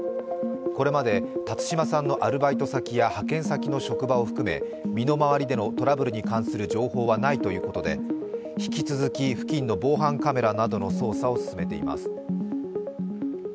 これまで辰島さんのアルバイト先や派遣先の職場を含め身の回りでのトラブルに関する情報はないということで引き続き付近の防犯カメラなどの捜査を進めています。